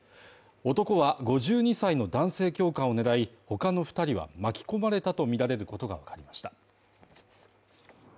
男は５２歳の男性教官を狙い、他の２人は、巻き込まれたとみられることがわかりました。